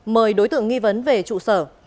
mời đối tượng nghi vấn về trụ sở